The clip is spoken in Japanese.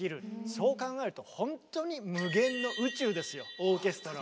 そう考えるとほんとに無限の宇宙ですよオーケストラは。